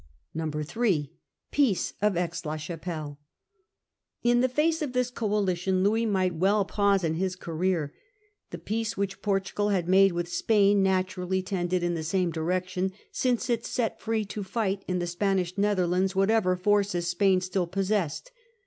3. Peace of Atx t.a Chavelle In the face of this coalition Louis might well pause in his career. The peace which Portugal had made with Effect of Spain naturally tended in the same direction, AUunce on s " lce lt set free t0 fight in the Spanish Nether Louis. lands whatever forces Spain still possessed.